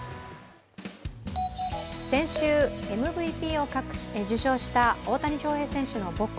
先週ＭＶＰを受賞した大谷翔平選手の母校